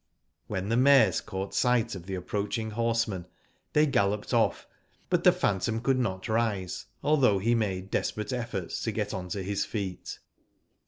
When the mares caught sight of the approaching horsemen, they galloped off, but the phantom could not rise, although he made desperate efforts to get on to his feet.